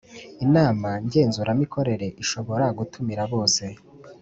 Inama Ngenzuramikorere ishobora gutumira bose